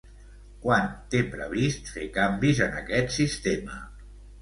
Quan té previst fer canvis en aquest sistema?